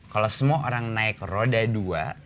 kalau semua orang naik roda dua